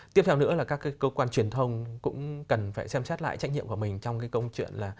tiếp theo nữa là các cơ quan truyền thông cũng cần phải xem xét lại trách nhiệm của mình trong cái câu chuyện là